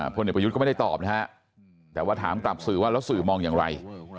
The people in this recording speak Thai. พลเอกประยุทธ์ก็ไม่ได้ตอบนะฮะแต่ว่าถามกลับสื่อว่าแล้วสื่อมองอย่างไร